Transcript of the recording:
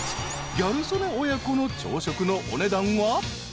［ギャル曽根親子の朝食のお値段は］